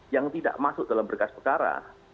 yang tidak masuk dalam berkas perkara